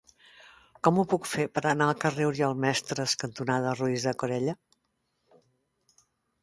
Com ho puc fer per anar al carrer Oriol Mestres cantonada Roís de Corella?